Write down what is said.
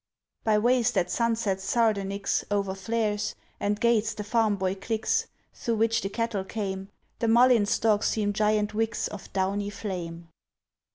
By ways, that sunset's sardonyx O'erflares, and gates the farmboy clicks, Through which the cattle came, The mullein stalks seem giant wicks Of downy flame.